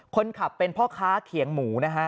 คนขับเป็นพ่อค้าเขียงหมูนะฮะ